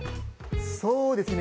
そうですね